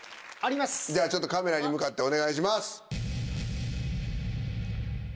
ではちょっとカメラに向かってお願いします。